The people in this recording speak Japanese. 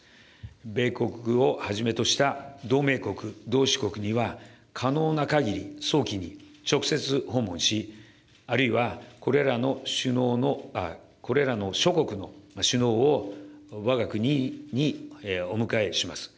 米国をはじめとした同盟国、同志国には、可能なかぎり早期に直接訪問し、あるいはこれらの諸国の首脳をわが国にお迎えします。